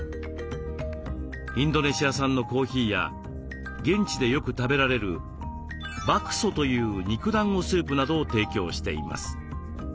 インドネシア産のコーヒーや現地でよく食べられるバクソという肉だんごスープなどを提供しています。